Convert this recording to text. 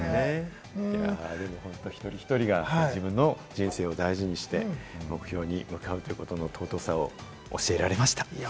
一人一人が自分の人生を大事にして目標に向かうということの尊さを教えられました。